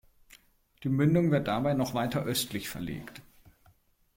Die Mündung wird dabei noch weiter östlich verlegt.